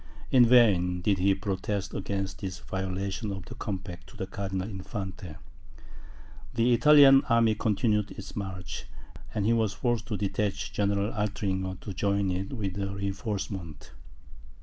In vain did he protest against this violation of the compact, to the Cardinal Infante; the Italian army continued its march, and he was forced to detach General Altringer to join it with a reinforcement.